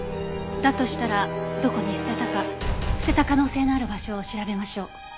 だとしたらどこに捨てたか捨てた可能性のある場所を調べましょう。